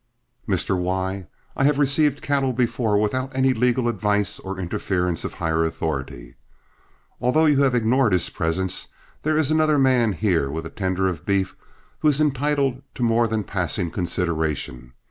"Mr. Y , I have received cattle before without any legal advice or interference of higher authority. Although you have ignored his presence, there is another man here with a tender of beef who is entitled to more than passing consideration.